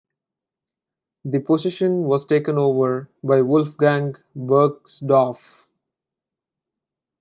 The position was taken over by Wolfgang Bergsdorf.